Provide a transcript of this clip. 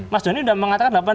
mas doni sudah mengatakan